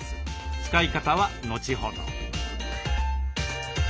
使い方は後ほど。